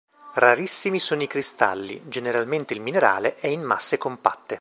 Rarissimi sono i cristalli, generalmente il minerale è in masse compatte.